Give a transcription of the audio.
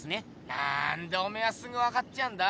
なんでおめえはすぐ分かっちゃうんだ？